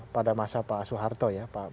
pada masa pak soeharto ya